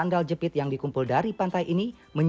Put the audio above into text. di dalam kapal yang bisa dikembangkan